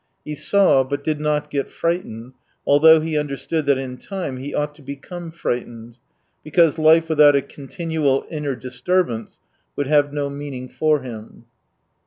He saw, but did not get frightened, although he understood that in time he ought to become frightened, because life without a continual inner disturbance would have no meaning for him.